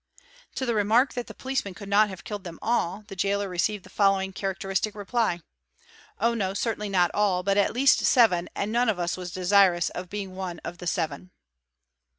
To the remark it the policeman could not have killed them all, the jailor received é following characteristic reply :—'' Oh no, certainly not all, but at ist seven, and none of us was desirous of being one of the seven."